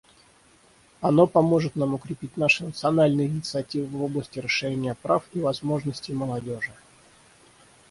Оно поможет нам укрепить наши национальные инициативы в области расширения прав и возможностей молодежи.